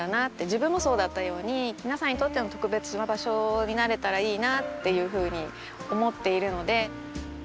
自分もそうだったように皆さんにとっても特別な場所になれたらいいなっていうふうに思っているので。